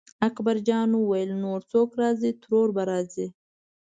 اکبرجان وویل نور څوک راځي ترور به راځي.